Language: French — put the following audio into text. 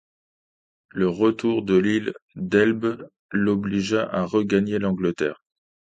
Le retour de l'île d'Elbe l'obligea à regagner l'Angleterre.